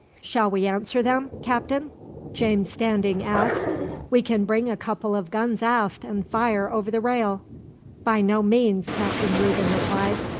"Shall we answer them, Captain?" James Standing asked. "We can bring a couple of guns aft, and fire over the rail." "By no means," Captain Reuben replied.